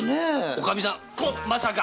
おかみさんまさか？